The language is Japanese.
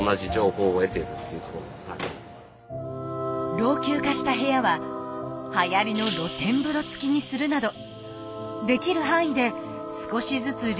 老朽化した部屋ははやりの露天風呂付きにするなどできる範囲で少しずつリニューアルを進めていきました。